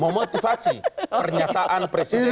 memotivasi pernyataan presiden